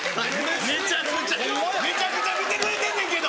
めちゃくちゃめちゃくちゃ見てくれてんねんけど！